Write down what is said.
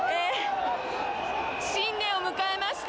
新年を迎えました。